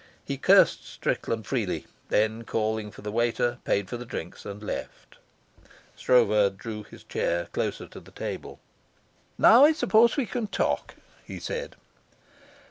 He cursed Strickland freely, then, calling for the waiter, paid for the drinks, and left. Stroeve drew his chair closer to the table. "Now I suppose we can talk," he said.